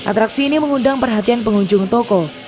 atraksi ini mengundang perhatian pengunjung toko